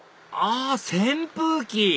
あ扇風機！